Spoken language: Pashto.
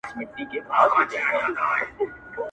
o خو دې به سمعې څو دانې بلــــي كړې.